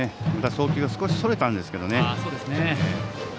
送球が少しそれたんですけどね。